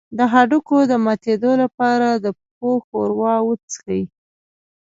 د هډوکو د ماتیدو لپاره د پښو ښوروا وڅښئ